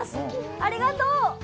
ありがとう。